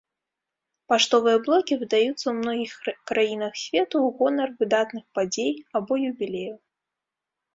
Паштовыя блокі выдаюцца ў многіх краінах свету ў гонар выдатных падзей або юбілеяў.